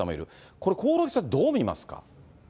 これ、興梠さん、どう見ますか。